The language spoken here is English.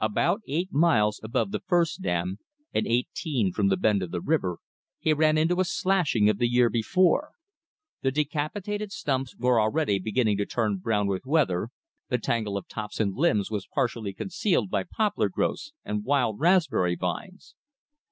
About eight miles above the first dam, and eighteen from the bend of the river, he ran into a "slashing" of the year before. The decapitated stumps were already beginning to turn brown with weather, the tangle of tops and limbs was partially concealed by poplar growths and wild raspberry vines.